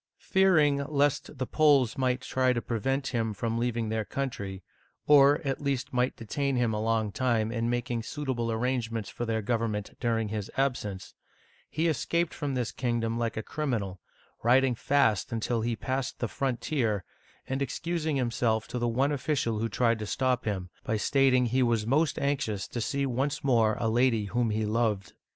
Fearing lest the Poles might try to prevent him from leaving their country, or at least might detain him a long Digitrzfed by Google 268 OLD FRANCE time in making suitable arrangements for their government during his absence, he escaped from this kingdom like a criminal, riding fast until he had passed the frontier, and excusing himself to the one official who tried to stop him, by stating that he was most anxious to see once more a lady whom he loved.